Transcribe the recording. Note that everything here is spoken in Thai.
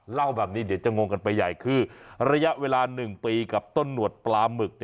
เล่าแบบนี้เดี๋ยวจะงงกันไปใหญ่คือระยะเวลา๑ปีกับต้นหนวดปลาหมึก